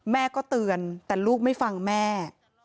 แม่ก็เตือนแต่ลูกไม่ฟังแม่